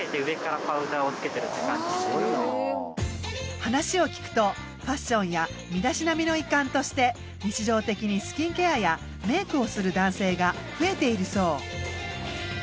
話を聞くとファッションや身だしなみの一環として日常的にスキンケアやメイクをする男性が増えているそう。